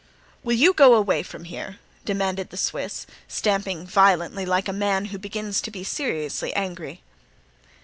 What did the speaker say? "Will you go away from here?" demanded the Swiss, stamping violently, like a man who begins to be seriously angry.